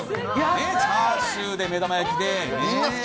チャーシューで目玉焼きで。